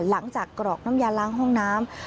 หลังจากกรอกน้ำยานล้างห้องน้ำ